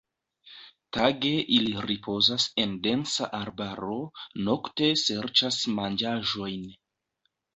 Tage ili ripozas en densa arbaro, nokte serĉas manĝaĵojn.